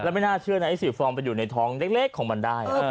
ไม่น่าเชื่อนะไอ้๔ฟองไปอยู่ในท้องเล็กของมันได้